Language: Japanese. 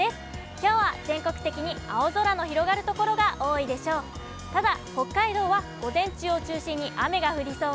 きょうは全国的に青空の広がる所が多いでしょう。